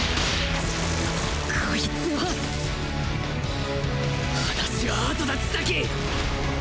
こいつは話は後だ治崎！